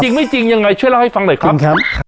จริงไม่จริงยังไงช่วยเล่าให้ฟังหน่อยครับจริงครับครับ